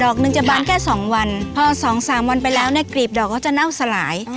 เดิมถึงจะพันแค่สองวันพอ๒๓วันไปแล้วในกรีบดอกก็จะน่าสลาย